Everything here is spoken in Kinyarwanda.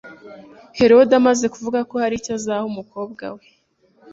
Herode amaze kuvuga ko hari icyo azaha umukobwa we